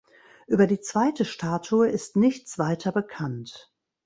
Über die zweite Statue ist nichts weiter bekannt.